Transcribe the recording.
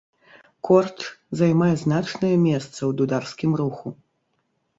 Корч займае значнае месца ў дударскім руху.